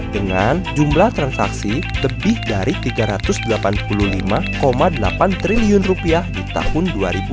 dengan jumlah transaksi lebih dari rp tiga ratus delapan puluh lima delapan triliun di tahun dua ribu dua puluh